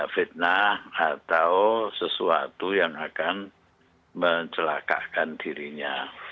fitnah atau sesuatu yang akan mencelakakan dirinya